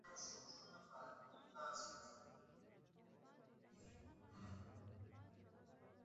بیا د داش سطحه د یوې لمدې ټوټې په واسطه پاکوي په پښتو کې.